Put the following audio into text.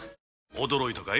驚いたかい？